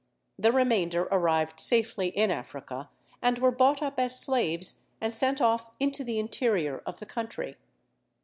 The remainder arrived safely in Africa, and were bought up as slaves, and sent off into the interior of the country.